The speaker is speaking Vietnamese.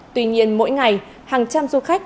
tuy nhiên mỗi ngày hàng trăm du khách